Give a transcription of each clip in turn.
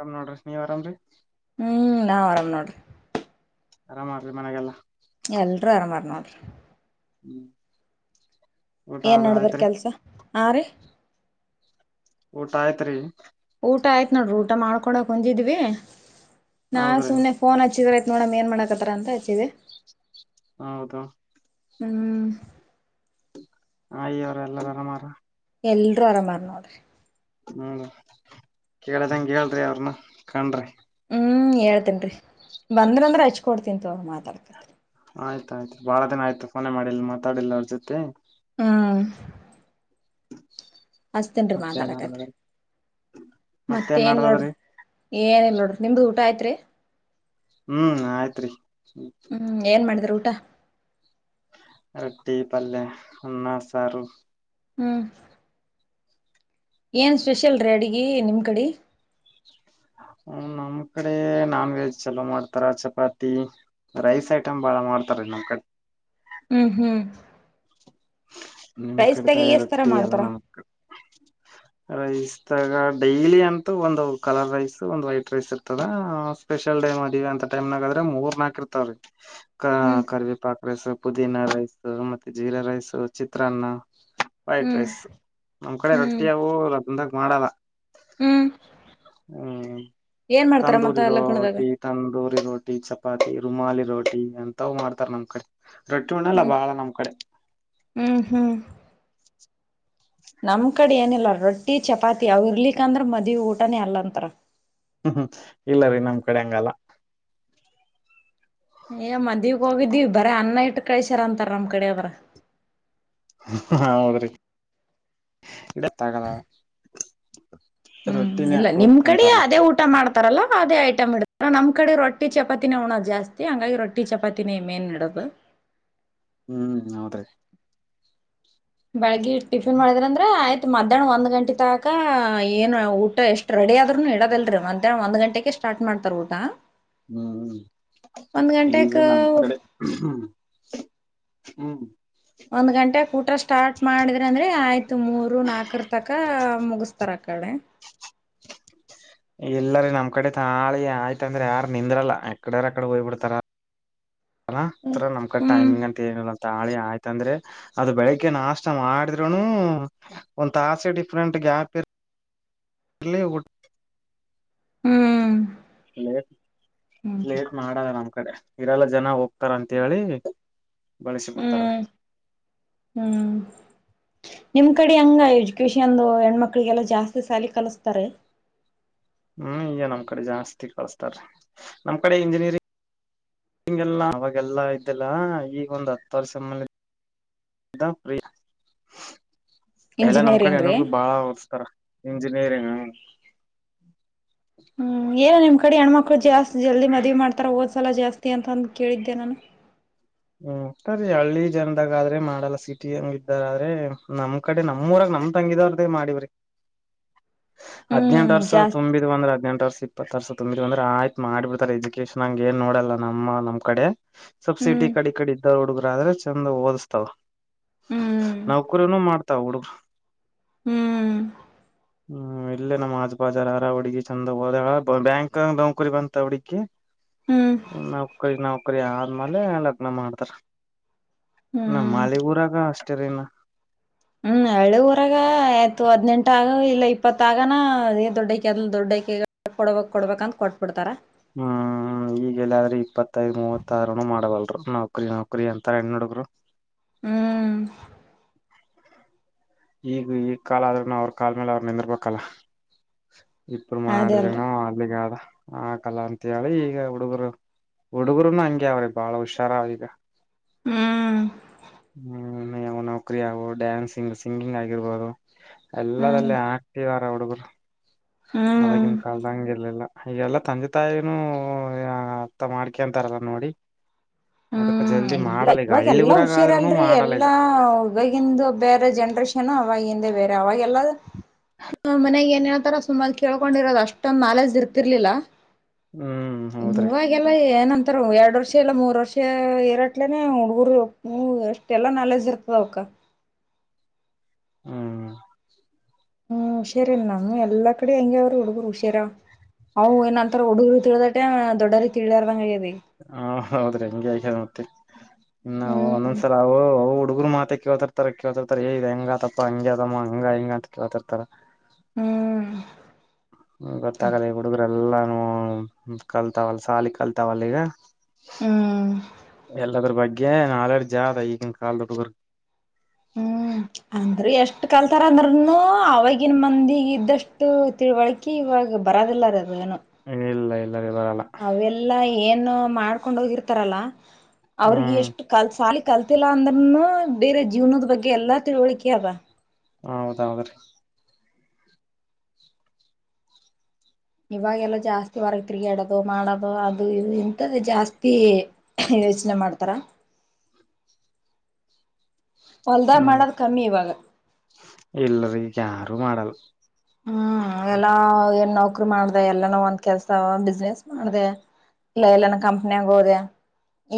ಆರ ನೋಡ್ರರಿ ಸ್ ನೀವ್ರಾಮ ರರಿ ಹ್ಮ್ ನಾವ್ ಆರಾಮ್ ನೋಡ್ರಿ ಅರಾಮ್ ಮಾಡ್ರಿ ಮನೆಗೆಲ್ಲಾ ಎಲ್ರೂ ಆರಾಮಾರ್ರೆ ನೋಡ್ರಿ ಹ್ಮ್ ಊಟ ಏನ್ ಅದ ನೆಡ್ದರ್ ಆಯ್ತ್ರಿ ಕೆಲ್ಸ ಆ ರೀ ಊಟ ಆಯ್ತ್ರಿ ಊಟ ಆಯ್ತು ನೋಡ್ರಿ ಊಟ ಮಾಡ್ಕೊಡೆ ಕುಂತಿದ್ವಿ ನಾ ಹೌದ್ರಿ ಸುಮ್ಮನೆ ಫೋನ್ ಹಚ್ಚಿದ್ರ ನೋಡಮ್ ಏನು ಮಾಡಕತ್ತರ ಅಂತ ಹಚ್ಚಿದೆ. ಆ ಹೌದು ಹ್ಮ್ ಆಯಿರು ಎಲ್ಲಾರು ಅರಾಮಾರ ಎಲ್ರೂ ಅರಾಮ್ ಅವ್ರೆ ನೋಡ್ರಿ ಕೇಳದಂಗೆ ಹೇಳ್ರಿ ಅವ್ರನ್ನ ಕಂಡ್ರೆ ಹ್ಮ್ ಹೇಳ್ತೇನ್ರಿ ಬಂದ್ರಂದ್ರೆ ಹಚ್ಕೊಡ್ತಿಂತತೋ ಮಾತಾಡ್ಕತರೆ ಆಯ್ತಾ ಆಯ್ತು ರೀ ಬಹಳ ದಿನ ಆಯ್ತು ಫೋನೆ ಮಾಡಿಲ್ಲ ಮಾತಾಡಿಲ್ಲ ಅವ್ರ ಜೊತೆ ಹಾ ಹಚ್ಚ್ತಿನ್ರಿ ಮತ್ತೇನ್ ಮಾತಾಡಕತ್ರಿ ನಡದದ್ರಿ ಮತ್ತೇನ್ ಇಲ್ ನೋಡ್ರಿ ಏನ್ ಇಲ್ಲ ನೋಡ್ ನಿಮ್ದು ಊಟ ಆಯ್ತ್ರಿ ಹ್ಮ್ ಆಯ್ತ್ರಿ ಹ್ಮ್ ಏನ್ ಮಾಡಿದ್ರು ಊಟ ರೊಟ್ಟಿ ಪಲ್ಲೆ ಅನ್ನ ಸಾರು ಹ್ಮ್ ಏನ್ ಸ್ಪೆಷಲ್ ರೀ ಅಡುಗೆ [unintelligible] ನಿಮ್ ಕಡೆ ಹ್ಮ್ ನಮ್ ಕಡೆ ನಾನ್ ವೆಜ್ ಚಲೋ ಮಾಡ್ತಾರ, ಚಪಾತಿ, ರೈಸ್ ಐಟಮ್ ಬಾಳ ಮಾಡ್ತಾರೀ ನಮ್ಮ್ ಕಡೆ. ಹ್ಮ್ ಹ್ಮ್ ನಿಮ್ ರೈಸ್ದಾಗೆ ಕಡಿತಾಯ ಎಸ್ ತರ ರೊಟ್ಟಿ ಎಲ್ಲ ಮಾಡ್ತಾರ ನಮಕ್ ರೈಸ್ಾಗ ಡೈಲಿ ಅಂತೂ ಒಂದು ಕಲರ್ ರೈಸ್ ಒಂದ ವೈಟ್ ರೈಸ್ ಇರ್ತದ ಸ್ಪೆಷಲ್ ಡೈ ಮದಿವಿ ಅಂತ ಟೈಮ್ನಾಗ ಆದ್ರ ಮೂರ್ ನಾಲ್ಕ ಇರ್ತವ್ರೀ ಹ್ಮ್ ಕರಿವಿ ಪಾಕ್ ರೈಸ್ ಪುದೀನ ರೈಸ್ ಮತ್ತೆ ಜೀರಾ ರೈಸ್ ಚಿತ್ರಾನ್ನ ವೈಟ್ ಹ್ಮ್ ರೈಸ್ ನಮ್ ಕಡೆ ಹ್ಮ್ ರೊಟ್ಟಿ ಯವು [inaudible] ಬಂದಾಗ ಮಾಡಲ್ಲ ಹ್ಮ್ ಹ್ಮ್ ಏನ್ ಮಾಡ್ತಾರ ಮತ್ತ ತಂದೂರಿ ಲಗ್ನದಾಗ ರೋಟಿ ತಂದೂರಿ ರೋಟಿ ಚಪ್ ಚಪಾತಿ ರುಮಾಲಿ ರೋಟಿ ಅಂತವ ಮಾಡ್ತಾರ ನಮ್ ಕಡೆ ರೊಟ್ಟಿ ಉಣ್ಣಲ್ಲ ಬಾಳ ನಮ್ ಕಡೆ ಹಾಂ ನಮ್ ಕಡೆ ಏನಿಲ್ಲ ರೊಟ್ಟಿ ಚಪಾತಿ ಅವರ್ಲಿಕ್ಕ ಅಂದ್ರ ಮದ್ವಿ ಊಟನೇ ಅಲ್ಲಂತರ ಹ್ಮ ಇಲ್ಲರಿೀ ನಮ್ ಕಡೆ ಹಂಗಲ್ಲ ಏ ಮದ್ಯಿಗೆ ಹೋಗಿದ್ದೀ ಬರೇ ಅನ್ನ ಇಟ್ಟು ಕಳ್ಸ್ಯಾರ ಅಂತಾರ ನಮ್ ಕಡೆ ಆದ್ರ ಹ ಹಾ ಹೌದ್ರಿ [inaudible] ಹ್ಮ್ ರೊಟ್ಟಿನೇ ಇಲ್ಲ ನಿಮ್ ಅಪರೂಪಕ್ ಕಡ ಉಣ್ತಾರ ನಮ್ ಅದೇ ಕಡೆ ಊಟ ಮಾಡ್ತ ತಾರಲ್ಲ ಅದೇ ಐಟಮ್ ಇಡತಾರ ನಮ್ಮ್ ಕಡೆ ರೊಟ್ಟಿ ಚಪಾತಿನೆ ಊಣ್ಣೂದ ಜಾಸ್ತಿ ಹಂಗಾಗಿ ರೊಟ್ಟಿ ಚಪಾನೆ ಮೇನ ಇಡೋದು ಹ್ಮ್ ಹೌದ್ರೀ ಬೆಳಗ್ಗಿ ಟಿಫಿನ್ ಮಾಡಿದ್ರ ಅಂದ್ರೆ ಆಯ್ತು ಮಧ್ಯಾಹ್ನ ಒಂದ ಗಟೆ ತಕ ಹ್ ಏನ್ ಊಟ ಎಷ್ಟ್ ರೆಡಿ ಆದ್ರುನು ಇಡೋದಲ್ರರಿ ಮಧ್ಯಾನ್ಹ ಒಂದ್ ಗಂಟೆಕೆ ಸ್ಟಾರ್ಟ್ ಮಾಡ್ತಾರ ಊಟ ಹ್ಮ್್ಮ್ ಒಂದ್ ಇಲ್ ಗಂಟೆಕ್ ನಮ್ಮ್ ಕಡೆ ಹ್ಮ ಹ್ಮ್ ಒಂದ್ ಗಂಟೆಕ್ ಊಟ ಸ್ಟಾರ್ಟ್ ಮಾಡಿದ್ರ ಅಂದ್ರೆ ಆಯ್ತು ಮೂರು ನಾಲ್ಕರ ತಕ [inaudible] ಇಲ್ಲರೀ ನಮ್ಮ ಕಡೆ ತಾಳಿ ಆಯ್ತಂದ್ರೆ ಯಾರ ನಿಂದ್ರಲ್ಲ ಎಕಡಾರಕಡೆ ಹೋಗ್ಬ ಬಿಡ್ತಾರ ಅಲ್ ನಮ್ ಹ್ಮ್ ಟೈಮಿಂಗ್ ಅಂತ [inaudible] ತಾಳಿ ಆಯ್ತಂದ್ರೆ ಅದು ಬೆಳಿಗ್ಗೆ ನಾಷ್ಟ ಮಾಡಿದ್ರೂ ನು ಒಂದ್ ತಾಸೆ ಡಿಫ್ರೆಂಟ್ ಗ್ಯಾಪ್ ಇರ ಇರ್ಲ್ಲ ಹ್ಮ್ ಲೇಟ್ ಹ್ಮ್ ಲೇಟ್ ಮಾಡಲ್ಲ ನಮ್ ಕಡೆ ಇರಲ್ಲ ಜನ ಹೋಗ್ ತಾರ್ ಅಂತೇಳಿ ಬಳಸಿಬಿಡ್ತಾರ ರಿ ಹ್ಮ್ ಹ್ಮ್ ಕ್ಯಷನ್ಂದು ಹೆಣ್ಮಕ್ಳಿಗೆಲ್ಲ ಜಾಸ್ತಿ ಸಾಲ ಕಲತಾರೆ ಹ್ಮ್ ಈಗ ನಮ್ ಕಡೆ ಜಾಸ್ತಿ ಕಳಸ್ತಾರೀ ನಮ್ ಕಡೆ ಇಂಜಿನಿಯರಿಂಗ್ ಹಂಗೆಲ್ಲ ಅವಾಗೆಲ್ಲಾ ಇದ್ದಿಲ್ಲ ಈಗ ಒಂದ್ ಹತ್ತು [inaudible] ವರ್ಷ ಫ್ರೀ ಎಲ್ಲಾ ನಮ್ ಕಡೆ ಇಂಜಿನಿಯರಿಂಗ್ ರೀ ಹೆಣ್ಣಡ್ಗುರ ಬಾಳ ಓದಸ್ತಾರ ಇಂಜಿನಿಯರಿಂಗ್ ಹ್ಮ್ ಹ್ಮ್ ಎನ್ ನಿಮ್ಮ ಕಡೆ ಹೆಣ್ಣ್ಮಕ್ಳು ಜಾಸ್ತಿ ಜಲ್ದಿ ಮದ್ವಿ ಮಾಡ್ತಾರ ಓದ ಸಲ ಜಾಸ್ತಿ ಅಂತ ಅಂದು ಕೇಳಿದ್ದೆ ನಾನು ಹ್ಮ್ ಸರಿೀ ಹಳ್ಳಿ ಜನದಾಗ ಆದ್ರೆ ಮಾಡಲ್ಲ ಸಿಟಿ ಹಂಗ್ದಾರ ಆದ್ರೆ ನಮ್ ಕಡೆ ನಮ್ಮೂಊರಾಗ ನಮ್ ತಂಗಿದವ್ರ್ದೇ ಮಾಡಿವ್ರಿ ಹದ್ೆಂಟ ಹ್ಮ್ ವರ್ಷ ಜಾಸ್ತಿ ತುಂಬಿದ್ ಅಂದ್ರೆ ಹದ್ಂಟ ವರ್ಷ ಇತ್ತು ಬರ್ಸ ತುಂಬ್ರ ಬಂದ್ರ ಆಯ್ತ ಮಾಡಿಬ ಬಿಡ್ತಾರೆ ಎಜುಕೇಶನ್ ಹಂಗ ಏನ್ ನೋಡಲ್ಲ ನಮ್ಮ ನಮ್ಮ ಕಡೆ ಸಬ್ಸಿಡಿಿ ಹ್ಮ್ ಕಡೆ ಕಡೆಡ್ದ ಹುಡು ಆದ್ರೆ ಚಂದ ಓದಿಸ್ತಲ್ ಹ್ಮ್ ನೌಕರಿನೂ ಮಾಡ್ತಾವ ಹುಡುಗ ಹ್ಮ್ ಹ್ಮ ಇಲ್ಲೇ ನಮ್ಮ್ ಆಜು ಬಾಜಾರರ ಹುಡುಗಿ ಚೆಂದ ಹೋಗೋದ ಬ್ಯಾಂಕ್ ಕು ಕುರಿ ಬಂತ ಅವಡಿ ಹ್ಮ್ ನೌಕರಿ ನೌಕರಿ ಆ ಮನೆ ಎಲ್ಲ ಮಾಡ್ತಾರೆ ನ ಹ್ಮ್ ಮಾಲಿಪುರಾಗ ಟೆರನಾ ಹ್ಮ್ ಹಳ್ಳಿಊರಾಗ ಆಯ್ತು ಹದ್ನೆಂಟ ಆಗ ಇಲ್ಲ ಇಪ್ಪತ್ತಾಗನಾ ಏ ದೊಡ್ಡಕಿ ಅದ ದೊಡ್ಡಕಿ ಕೊಡಬೇಕಕ್ ಕೊಡ್ಬೇಕಂತ ಕೊಟ್ಬಿಡ್ತಾರ ಹ್ಮ್ ಈಗಲ್ಲಾದ್ರೂ ಇಪ್ಪತ್ತೈದ್ ಮೂವತ್ತಾರನು ಮಾಡಬಲ್ರು ನೌಕರಿ ನೌಕರಿ ಅಂತ ಹೆಣ್ಣ ಹುಡುಗ್ರು. ಹ್ಮ್ ಈಗ ಈ ಕಾಲ ಆದ್ರೂನು ಅವ್ರ ಕಾಾಲ ಮೇಲೆ ಅವ್ರ ನಿಂದರ್ಬೇಕಲ್ಲ. ಇಪರು ಅದೇ ಮಾಡಿದ್ರನ ಅಲ್ರಿ [inaudible] ಆಕಲ್ಲ ಅಂತ ಹೇಳಿ ಈಗ ಹುಡುಗರು ಹುಡುಗರುನು ಹಂಗೆ ಅವ್ರಿ ಬಾಳ ಹುಷಾರ ಅವ ಈಗ. ಹ್ಮ್ ಹ್ಮ್ ಯಾವ ನೌಕರಿ ಆಗುವ ಡ್ಯಾನ್ಸಿಂಗ್ ಸಿಂಗಿಂಗ್ ಆಗಿರ್ಬೋದು. ಹ್ಮ್ ಎಲ್ಲದೆಲ್ಲ ಆಕ್ಟ್ ಆ [unintelligible] ಹುಡಗರ್ ಹ್ಮ್ ಆವಾಗಿನ ಕಾಲದಂಗ ಇರ್ಲಿಲ್ಲ. ಈಗೆಲ್ಲ ತಂದೆ ತಾಯಿನೂ ಅರ್ಥ ಮಾಡ್ಕಂತಾರಲ್ಲ ನೋಡಿ ಅದಕ್ಕ ಹ್ಮ್ ಜಲ್ದಿ ಇಲ್ಲ ಮಾಡಲ್ಲ ಈಗ ಇವಾಗ ಹಳ್ಳಿ ಎಲ್ಲಾ ಊರಾಗ ಹುಷಾರ ಆದ್ರೂನು ಅಲ್ರಿ ಮಾಡಲ್ಲ ಈಗ ಎಲ್ಲಾ ಇವಾಗಿಂದು ಬೇರೆ ಜನರೇಷನ್ ಅವಗ ಇದ ಬೇರೆ ಅವಾಗೆಲ್ಲ ಮನೆಗ್ ಏನ ಹೇಳ್ತಾರ ಸುಮ್ಮ ಕೇಳ್ಕೊಂಡಿರೋದು ಅಷ್ಟೊಂದ ನಾಲೆಜ್ ಇರ್ತಿರ್ಲಿಲ್ಲ. ಹ್ಮ್ ಹೌದ್ರಿ ಇವಾಗೆಲ್ಲ ಏನಂತ ಸರ್ ಎರಡು ವರ್ಷ ಇಲ್ಲ ಮೂರು ವರ್ಷ ರಟ್ಲೆನೆ ಹುಡುಗರು ಎಷ್ಟೆಲ್ಲಾ ನಾಲೆಜ್ ಇರ್ತದ ಅವ್ಕ್ಕ ಹ್ಮ ಹ್ಮ್ ಹುಷಾರಿಲ್ ನಾನು ಎಲ್ಲಾ ಕಡೆ ಹೆಂಗೆ ಅವರು ಹುಡುಗರು ಹುಷಾರ ಹ ಅವು ಏನಂತರ ಹುಡುಗರು ತಿಳದಟ ದೊಡ್ಡರಿಗೆ ತಿಳಲಾಯಾದಂಗೆ ಆಗಿತ್ತ. ಹಾ ಹೌದ್ರಿ ಹಂಗೆ ಆಗಿದ್ ಮತ್ತ ಇ ಹ್ಮ್ ಒಂದೊಂದ್ಸರ ಅವು ಅವು ಹುಡುಗರು ಮಾ ಅ ಕೇಳ್ತಿರ್ತಾರ ಕೇಳ್ತಿರ್ತಾರೆ ಏ ಇದೆ ಹೆಂಗತಪ್ಪ ಹಂಗ ಅದಮ್ಮ ಹಂಗಾ ಹಿಂಗ ಅಂತ ಕೇಳ್ತಿರ್ತಾರ ಹ್ಮ್ ಗೊತ್ತಾಗಲ್ಲ ಹುಡುಗರು ಎಲ್ಲಾ ಕಲ್ತಾವಲ್ಲ ಸಾಲಿ ಕಲ್ತಾವಲ್ಲ ಈಗ ಹ್ಮ್ ಎಲ್ಲಾದರ ಬಗ್ಗೆ ನಾಲೆಡ್ಜ ಈಗಿನ ಕಾಲದ ಹುಡುಗರು ಹ್ಮ್ ಅಂದ್ರೆ ಎಷ್ಟ್ ಕಲ್ ಆಥರಂದ್ರನು ಅವಗಿನ ಮಂದಿಗೆ ಇದ್ದಷ್ಟು ತಿಳುವಳಿಕೆ ಇವಾಗ ಬರೋದಿಲ್ಲರಿ ಅದ ಏನೋ ಹ ಇಲ್ಲ ಇಲ್ಲ ಸರಿ ಬರಲ್ಲ. ಏನು ಮಾಡ್ಕೊಂಡ ಹೋಗಿರ್ತಾರಲ್ಲ. ಅವ್ರಿಗೆ ಹ್ಮ್ ಎಷ್ಟ ಕಲತ್ ಸಾಲಿ ಕಲ್. ಗೊತ್ತಿಲ್ಲ ಅಂದ್ರನು ಬೇರೆ ಜೀವನದ ಬಗ್ಗೆ ಎಲ್ಲಾ ತಿಳುವಳಿಕೆ ಅದ. ಹೌದ ಹೌದೌದ್ರೀ. ಇವಾಗೆಲ್ಲ ಜಾಸ್ತಿ ಹೊರಗ ತಿರಗ್ಯಾಡೋದು ಮಾಡೋದು ಅದು ಇದು ಇಂತದೇ ಜಾಸ್ತಿ. ಯೋಚನೆ ಮಾಡ್ತಾರ. ಹೊಲದಾಗ ಹ್ಮ್ ಮಾಡೋದ ಕಮ್ಮಿ ಇವಾಗ. ರು ಮಾಡಲ. ಹ್ಮ್ ಎಲ್ಲಾ ಏನ ನೌಕರಿ. ರಿ ಮಾಡದೇ ಎಲ್ಲಾನ ಒಂದ ಕೆಲ್ಸ ಬಿಸ್ನೆಸ್ ಮಾಡದೇ. ಇಲ್ಲ ಎಲ್ಲನ ಕಂಪನ್ಯಾಗ ಹೋದೆ.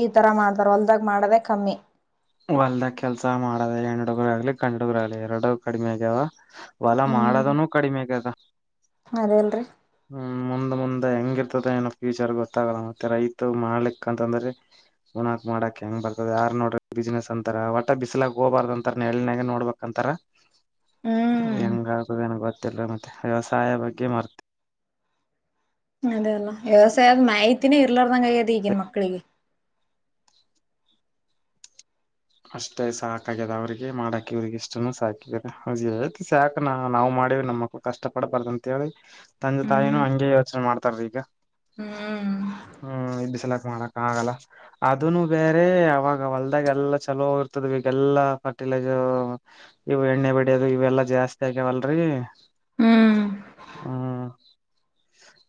ಈ ತರ ಮಾಡ್ತಾರ ಹೊಲ್ದಾಗ ಮಾಡದೇ. ಕಮ್ಮಿ. ಹೊಲದಾಗ ಕೆಲ್ಸ ಮಾಡದೇ ಹೆಣ್ಣ ಹುಡುಗರ ಆಗ್ಲಿ ಗಂಡು ಹುಡುಗರು ಆಗ್ಲಿ ಎರಡು ಕಡಿಮೆ ಆಗ್ಯಾವ. ಹೊಲ ಹ್ಮ್ ಮಾಡದನುೂ ಕಡಿಮೆ ಆಗೆದ. ಅದೇಲ್ರಿ. ಹ್ಮ್ ಮುಂದ್ ಮುಂದೆ ಹೆಂಗಿರ್ತದ ಏನೋ ಫ್ಯೂಚರ್ ಗೊತ್ತಾಗಲ್ಲ ಮತ್ತೆ ರೈತ ಮಾಡ್ಲಿಕ್ ಅಂತಂದ್ರ ಉಣಾಕ್ ಮಾಡಕ್ ಹೆಂಗ್ ಬರ್ತದ ಯಾರ್ ನೋಡ್ರ ಬಿಸಿನನೆಸ್ ಅಂತಾರ ಒಟ್ಟ ಬಿಸ್ಲಕ್ ಹೋಬಾರ್ದ ಅಂತಾರ ನೆಳ್ನಯಾಗ ನೋಡ್ಬಕ್ಂತಾರ ಹ್ಮ್ ಹೆಂಗ ಆಡ್ತದೆನೊ ಗೊ ಮತ್ತೆನ್ ಮತ್ತೆ ವ್ಯವಸಾಯ ಬಗ್ಗೆ ಮ ಅದೇ ಅಲ್ಲ ವ್ಯವಸಾಯದ್ ಮಾಹಿತಿನೇ ಇರ್ಲಾರ ಆಗೈದ್ ಈಗನ್ ಮಕ್ಕಳಿಗೆ ಅಷ್ಟೇ ಸಾಕಗ್ಯಾದ ಅವ್ರಿಗೆ ಮಾಡಕ್ ಇವ್ರಿಗೆ ಇಷ್ಟನು ಸಾಕಿದಿದ್ದಾರೆ ತಿ ಸಾಕ ನ ನಾವ್ ಮಾಡಿವಿ ನಮ್ಮ ಮಕ್ಳು ಕಷ್ಟ ಪಡ್ಬಾರ್ದ ಅಂತ ಹೇಳಿ ತಂದೆ ತಾಯಿನೂ ಹ್ಮ್ ಹಂಗೇ ಯೋಚನೆ ಮಾಡ್ತಾರ ಈಗ ಹ್ಮ್ ಹ್ಮ್ ಇ ಬಿಸಿಲಾಗ ಮಾಡಕ್ ಆಗಲ್ಲ ಅದುನು ಬೇರೆ ಅವಾಗ ಹೊಲ್ದಾಗ ಎಲ್ಲ ಚಲೋ ಇರ್ತದು ಈಗಲ್ಲಾ ಫರ್ಟಿಲೈಸರ್ ಇವು ಎಣ್ಣೆ ಬಡಿಯೋದು ಇವೆಲ್ಲಾ ಜಾಸ್ತಿ ಆಗ್ಯವಲ್ರರಿ ಹ್ಮ್ ಹ್ಮ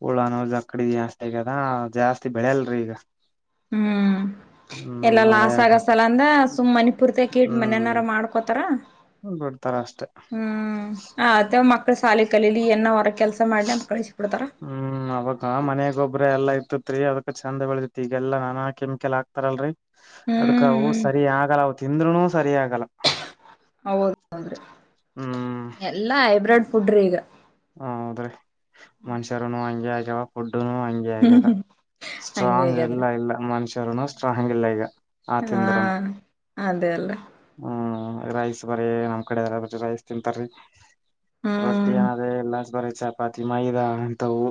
ಹುಳನೋ ಜಕಡಿ ಜಾಸ್ತಿ ಆಗ್ಯದ ಜಾಸ್ತಿ ಬೆಳೆಯಲ್ರಿ ಈಗ ಹ್ಮ್ ಹ್ಮ್ ಎಲ್ಲಾ ಮಳೆ ಲಾಸ್ ಆಗೋ ಸಂಬಂಧ ಸುಮ್ಮನೆ ಪೂರ್ತಿ ಕೀಡ್ ಹ್ಮ್ ಮನೆನಾರ ಮಾಡ್ಕೋತಾರ ಬಿಡ್ತಾರ ಅಷ್ಟೆ ಹ್ಮ್ ಅದ ಮ ಶಾಲಿ ಕಲಿಲಿ ಎನೋ ಹೊರ ಕೆಲ್ಸ ಮಾಡ್ಲಿ ಅಂತ ಕಳಿಸಿ ಬಿಡ್ತಾರ ಹ್ಮ್ ಅವಾಗ ಮನೆಗೊಬ್ರು ಎಲ್ಲ ಇ ಇತ್ರಿ ಅದಕ್ಕ ಚಂದ ಬೆಳದತಿ ಈಗಲ್ಲಾ ನಾನಾ ಕೆಮಿಕಲ್ ಹಾಕ್ತಾರಲ್ರರಿ ಅದ್ಕವು ಹ್ಮ್ ಸರಿ ಆಗಲ್ಲ ಅವು ತಿಂದ್ರುನು ಸರಿ ಆಗಲ್ಲ ಹೌದ್ ಹೌದ್ರಿ ಹ್ಮ್ ಎಲ್ಲಾ ಹೈಬ್ರಿಡ್ ಫುಡ್ರಿ ಹೌದ್ರೀ ಮನುಷ್ಯರುನು ಹಂಗೆ ಆಗ್ಯಾವ ಫುಡ್ ಹ ಹಂಗೆ ಹ್ಮ್ ಆಗೇದ ಹ್ಮ್ ಹಂಗೆ ಸ್ಟ್ರಾಂಗ್ ಹಾಗಾದ್ರೆ ಎಲ್ಲಾ ಇಲ್ಲ ಮನಷ್ಯ. ಯಾರುನ ಸ್ಟ್ರಾಂಗ್ ಇಲ್ಲ ಈಗ. ಆ ಹ. ತಿಂದ್ರನು ಅದೇ ಅಲ್ಲ. ಹ್ಮ್ ರೈಸ್ ಬರೇ ನಮ ಕಡೆ ಅದರಾಗ [unintelligible] ರೈಸ್ ತಿನ್ನತಾರಿ. ರೊಟ್ಟಿ ಹ್ಮ್ ಅನ್ನದೇ ಇಲ್ಲ ಬರಿ. ಚಪಾತಿ ಮೈದಾ ಅಂತವು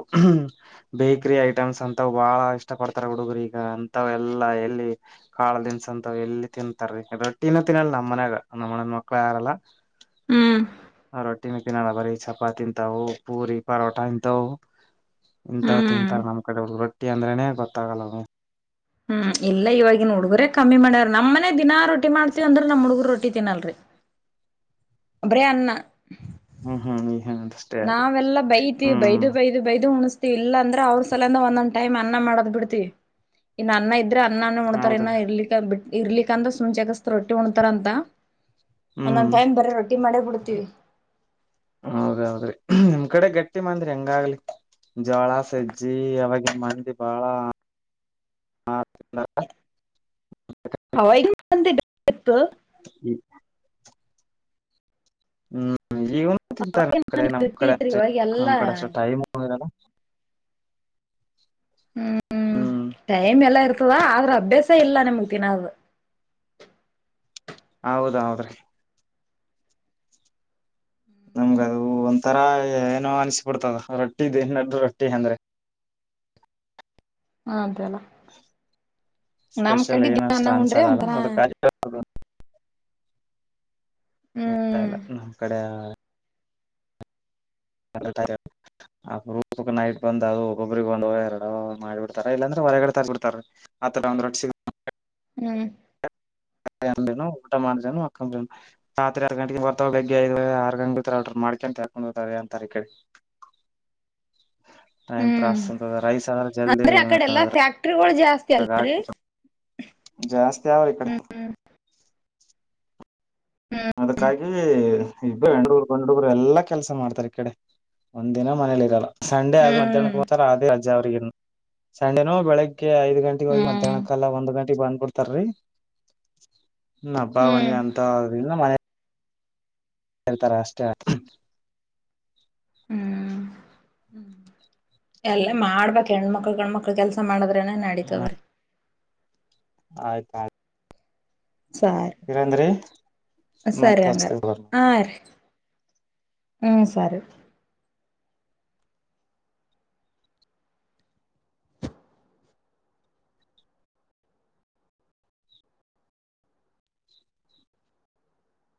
ಬೇಕ್ರಿ ಐಟಮ್ಸ್ ಅಂತವ ಬಾಳ ಇಷ್ಟ ಪಡ್ತಾರೆ ಹುಡುಗರು ಈಗ ಅಂತವ ಎಲ್ಲಾ ಎಲ್ಲಿ ಕಾಳ ದಿನಸ ಹಂತವ ಎಲ್ಲಿ ತಿನ್ನತರ ರಿ. ರೊಟ್ಟಿನ ತಿನ್ನಲ ನಮ್ಮ ಮನ್ಯಾಗ ನಮ್ಮ ಅಣ್ಣನ ಮಕ್ಕಳ ಯಾರಾರೆಲ್ಲ. ಹ್ಮ್ ರೊಟ್ಟಿ. ರೊಟ್ಟಿನ ತಿನ್ನಲ್ಲ ಬರಿ ಚಪಾತಿ ತಿಂತವು ಪೂರಿ ಪರೋಟಾ ಹಿಂತವು. ಹಿಂತವ ಹ್ಮ್ ತಿನ್ನತರ ನಮ್ಮ ಕಡೆ ಹುಡುಗರ. ರೊಟ್ಟಿ ಅಂದ್ರೇನೆ ಗೊತ್ತ ಆಗಲ್ಲದು. ಹ್ಮ್ ಇಲ್ಲ ಇವಾಗಿನ ಹುಡ್ಗುರೇ ಕಮ್ಮಿ ಮಾಡ್ಯಾರ ನಮ್ಮ ಮನ್ಯಾಗ ದಿನಾ ರೋ. ಟ್ಟಿ ಮಾಡ್ತಿವಿ ಅಂದ್ರ ನಮ್ಮ ಹುಡುಗರ ರೊ. ರೊಟ್ಟಿ ತಿನ್ನಲ್ಲರಿ. ಬರೇ ಅನ್ನ. ಹ್ಮ್ ಹ್ಮ ಹ್ಮ. ನಾವೆಲ್ಲಾ ಬೈತಿವಿ ಬೈದು ಬೈದು ಬೈದು ಉಣಸ್ತ. ಇಲ್ಲ ಅಂದ್ರೆ ಅವ್ರ ಸಲಂದ ಒಂದೊಂದ್ ಟೈಮ್ ಅನ್ನ ಮಾಡದ್ ಬಿಡ್ತಿವಿ ಇನ್ನ ಅನ್ನ ಇದ್. ಇದ್ರ ಅನ್ನಾನ ಉಣ್ತಾರೆನ ಹೌದ್ರಿ ಇರ್ಲಿಕ್ಕ ಬಿಟ್. ಇರ್ಲಿಕ್ಕ ಅಂದ್ರ ಜಕ್ಕಸ್ಥ ರೊಟ್ಟಿ ಹೊಣ್ತಾರಂತ. ಒಂದೊಂದ ಹ್ಮ್ ಟೈಮ್ ಬರೇ ರೋಟಿ ಮಾಡಿ ಬಿಡ್ ಹೇ ಹೌದಹೌದ್ರಿ ನಿಮ್ ಕಡೆ ಗಟ್ಟಿ ಮಂದ್ರಿ ಹೆಂಗಾಗ್ಲಿ ಜೋಳ ಸಜ್ಜಿ ಅವಾಗ ಮಂದಿ ಬಾಳ. [inaudible] ತ್ತು ಹ್ಮ್ ಹ್ಮ್ ಈಗುನ್ ತಿಂತಾರೆ ನಮ್ಮ್ ಗಟ್ಟಿ ಕಡೆ ನಮ್ಮ್ ಇತ್ರಿ ಕಡೆ ಇವಾಗ ನಮ್ ನಮ್ಮ ಎಲ್ಲಾ ಕಡೆ ಅಷ್ಟ ಟೈಮ್ ಇರಲ. ಹ್ಮ್ ಟೈಮ್ ಎಲ್ಲ ಇರ್ತದ ಆದ್ರ ಅಭ್ಯಾಸ ಇಲ್ಲ ನಿಮ್ಗ್ ತಿನದು. ಹೌದೌದ್ರಿ. ನಮ್ಗ ಅದು ಒ ತರ ಏನೋ ಅನಿಸಬಿಡ್ತದ ರೊಟ್ಟಿ [unintelligible] ರೊಟ್ಟಿ ಅಂದ್ರೆ. ಹ ಅಂತಲ್ಲ. ಸ್ಪೆಷಲ್ ಏನ ಅಷ್ಟ ಅನ್ಸಲ್ಲಲ್ಲ ಒಂಥರ ಅದಕ [unintelligible] ಇಲ್ಲ ಹ್ಮ್ ಇಲ್ಲ ನಮ್ಮ್ ಕಡೆ. [unintelligible] ಅಪರೂಪಕ ನೈಟ್ ಬಂದ ಅದು ಒಬ್ಬೊಬ್ರಗ್ ಒಂದ ಎರಡು ಮಾಡಿಬಿಡ್ತಾರ ಇಲ್ಲಾಂದ್ರೆ ಹೊರಗಡೆ ತಗ್ಬಿಡ್ತಾರ ಆತರ ಒಂದ್ ರೊಟ್ಟಿ. ಹ್ಮ್ ನು ಊಟ ಮಾಡೇನು ಅಕ್ಕನು ರಾತ್ರಿ ಆರ್ ಗಂಟಗ್ ಬರ್ತಾವ ಬೆಗ್ಗೆ ಐದ ಆರ್ ಗಂ ಬಿ್ರ ಆ ಮಾಡ್ಕೊಂತ ಹಾಕೊಂಡ್ ಹೋಗತ ಅಂತ ಈ ಕಡೆ ಟೈಮ್ ಹ್ಮ್ ಪ್ರಾಸ್ಂತ ರೈಸ್ ಆದ್ರ ಜಲ್ದಿಾ ಅಂದ್ರೆ ಆ ಕಡೆ ಎಲ್ಲಾ ಫ್ಯಾಕ್ಟ್ರಿಗಳು ಜಾಸ್ತಿ ಅಲ್ ಜಾಸ್ತಿ ಅವ್ರ ಕಡೆ ಅದಕ್ಕಾಗಿ ಇಬ [inaudible] ಗ್ ಹುಡುಗರು ಎಲ್ಲಾ ಕೆಲಸ ಮಾಡ್ತಾರೆ ಈ ಕಡೆ ಒಂದ ದಿನ ಮನೇಲಿ ಇರಲ್ಲ. ಸಂಡೇ ಆದದು ಹ್ಮ್ ಮಧ್ಯ್ಯಾುವರ್ ಆದ ರಜ್ ಅವರಿ ಸಂಡೆನೋ ಬೆಳಿಗ್ಗೆ ಐ ಗಂಟಗ ಮ್ಯಾಹನ ಹ್ಮ್ ಕಾಲ ಒಂದು ಗಂಟೆ ಬಂದ್ಬಡ್ತಾರಿ ಬ್ಬಾವಣಿವ ಹ್ಮ್ ಅಂತ ಮ ಹ ತ ರಾಷ್ಟ ಹ್ಮ್ ಹ್ಮ್ ಎಲ್ಲ ಮಾಡ್ಬೇಕು ಹೆಣ್ಮಕ್ಳ ಕಣ್ಮಕ್ಳ ಕೆಲ್ಸ ಮಾಡುದ್ರೇನ ನಡಿತವರ್ ಆಯ್ತ ಆ್ತ ಸರಿ ಮತ್ತ ಸರಿ ಅಂಗಲ್ ಹಚ್ತೇವ ತೋರಿ. ಆ ರ ಹ್ಮ ಸರಿ